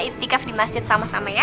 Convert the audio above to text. itikaf di masjid sama sama ya